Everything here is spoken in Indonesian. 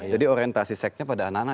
jadi orientasi seksnya pada anak anak